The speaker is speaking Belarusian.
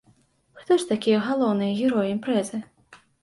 Хто ж такія галоўныя героі імпрэзы?